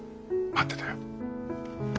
待ってたよ。